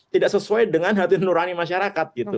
tidak sesuai dengan hati nurani masyarakat gitu